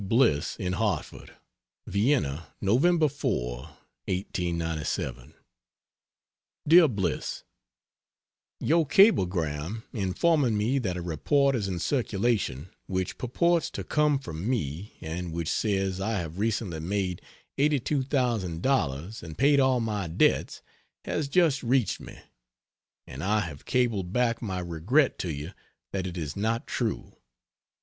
Bliss, in Hartford: VIENNA, Nov. 4, 1897. DEAR BLISS, Your cablegram informing me that a report is in circulation which purports to come from me and which says I have recently made $82,000 and paid all my debts has just reached me, and I have cabled back my regret to you that it is not true.